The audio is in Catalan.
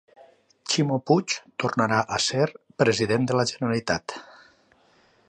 Ximo Puig tornarà a ser president de la Generalitat